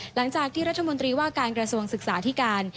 หลังจากที่รัฐมนตรีว่าการกระทรวงศึกษาที่การ